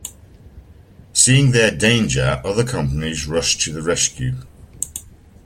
Seeing their danger other companies rushed to the rescue.